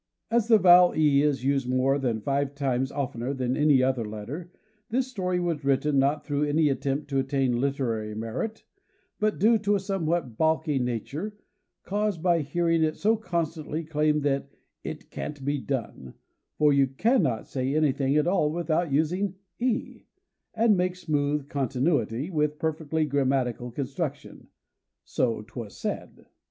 As the vowel E is used more than five times oftener than any other letter, this story was written, not through any attempt to attain literary merit, but due to a somewhat balky nature, caused by hearing it so constantly claimed that "it can't be done; for you cannot say anything at all without using E, and make smooth continuity, with perfectly grammatical construction " so 'twas said.